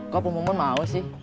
kok pun mau sih